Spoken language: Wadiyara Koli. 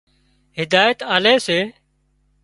هدايت آلي سي